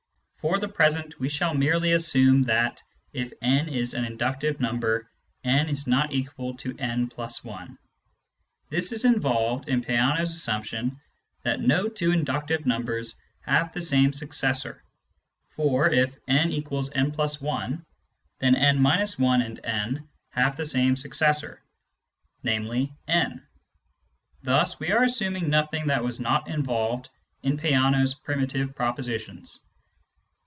For the present we shall merely assume that, if w is an inductive number, n is not equal to w+i. This is involved in Peano's assumption that no two inductive numbers have the same suc cessor ; for, if n=n \ i, then n—i and n have the same successor, namely n. Thus we are assuming nothing that was not involved in Peano's primitive propositions.